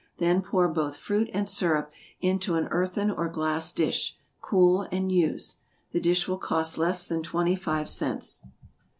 Then pour both fruit and syrup into an earthen or glass dish; cool, and use. The dish will cost less than twenty five cents.